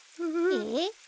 えっ！？